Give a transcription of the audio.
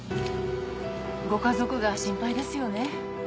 ご家族が心配ですよね。